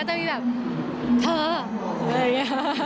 มันก็จะมีแบบเธออะไรอย่างนี้